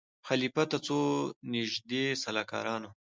خلیفه ته څو نیژدې سلاکارانو